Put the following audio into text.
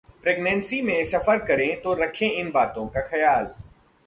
pregnancy में सफर करें तो रखें इन बातों का ख्याल